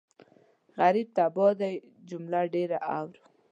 غريب تباه دی جمله ډېره اورو